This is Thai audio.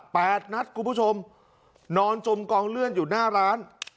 แปดนัดคุณผู้ชมนอนจมกองเลือดอยู่หน้าร้าน